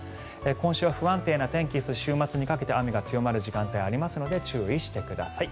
今週は不安定な天気週末にかけて雨が強まる時間帯がありますので注意してください。